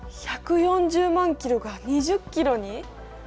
１４０万キロが２０キロに。